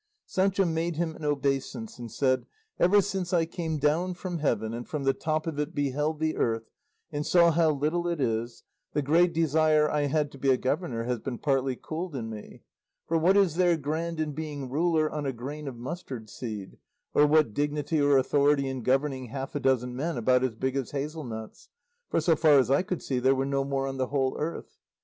Sancho made him an obeisance, and said, "Ever since I came down from heaven, and from the top of it beheld the earth, and saw how little it is, the great desire I had to be a governor has been partly cooled in me; for what is there grand in being ruler on a grain of mustard seed, or what dignity or authority in governing half a dozen men about as big as hazel nuts; for, so far as I could see, there were no more on the whole earth?